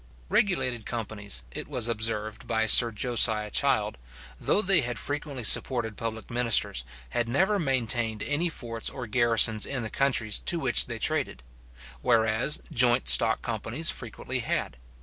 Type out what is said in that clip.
Regulated companies, it was observed by Sir Josiah Child, though they had frequently supported public ministers, had never maintained any forts or garrisons in the countries to which they traded; whereas joint stock companies frequently had.